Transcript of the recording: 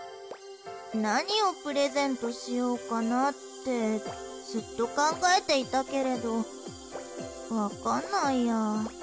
何をプレゼントしようかなってずっと考えていたけれどわかんないや。